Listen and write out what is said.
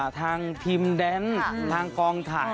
ทางทีมแดนทางกองถ่าย